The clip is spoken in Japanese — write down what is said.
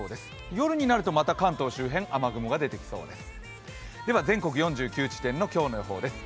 夜になるとまた関東周辺雨雲が出てきそうです。